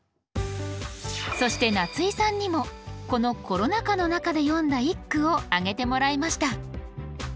そして夏井さんにもこのコロナ禍の中で詠んだ一句を挙げてもらいました。